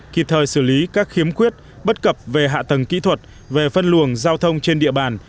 kịp thời xử lý các khiếm khuyết bất cập về hạ tầng kỹ thuật về phân luồng giao thông trên địa bàn